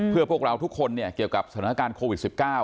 เพื่อพวกเราทุกคนเกี่ยวกับสถานการณ์โควิด๑๙